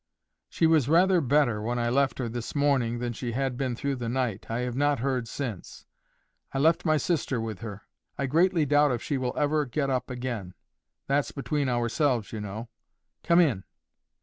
"She was rather better, when I left her this morning, than she had been through the night. I have not heard since. I left my sister with her. I greatly doubt if she will ever get up again. That's between ourselves, you know. Come in."